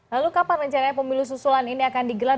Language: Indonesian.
lalu kapan rencananya pemilu susulan ini akan digelar